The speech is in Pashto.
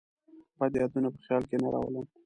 بد یادونه په خیال کې نه راولم.